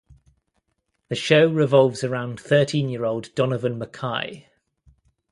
The show revolves around thirteen-year-old Donovan Mackay.